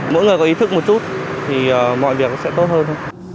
mỗi người có ý thức một chút thì mọi việc sẽ tốt hơn